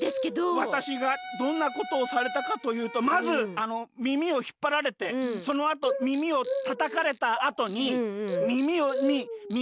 わたしがどんなことをされたかというとまずみみをひっぱられてそのあとみみをたたかれたあとにみみをにみみ。